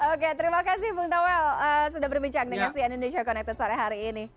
oke terima kasih bung tawel sudah berbincang dengan si indonesia connected sore hari ini